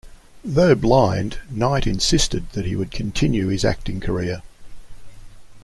Though blind, Knight insisted that he would continue his acting career.